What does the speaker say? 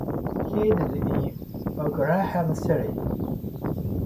He died in Oklahoma City.